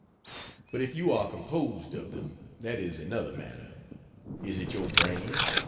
But if you are composed of them, that is another matter. Is it your brain?